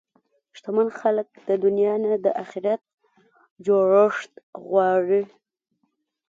شتمن خلک د دنیا نه د اخرت جوړښت غواړي.